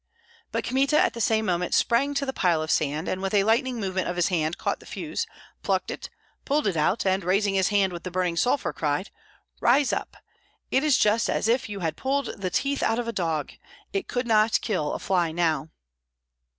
But Kmita at the same moment sprang to the pile of sand, with a lightning movement of his hand caught the fuse, plucked it, pulled it out, and raising his hand with the burning sulphur cried, "Rise up! It is just as if you had pulled the teeth out of a dog! It could not kill a fly now."